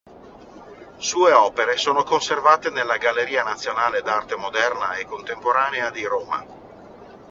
Sue opere sono conservate nella Galleria nazionale d'arte moderna e contemporanea di Roma.